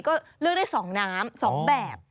ก็เลือกได้๒น้ำ๒แบบ